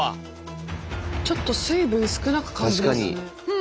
ちょっと水分少なく感じますね。